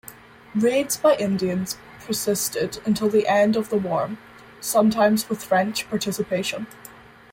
Raids by Indians persisted until the end of the war, sometimes with French participation.